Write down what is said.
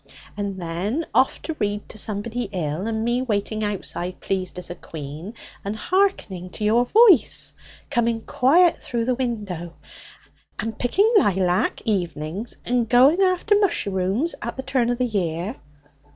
And then off to read to somebody ill, and me waiting outside, pleased as a queen, and hearkening to your voice coming quiet through the window. And picking laylac, evenings, and going after musherooms at the turn of the year.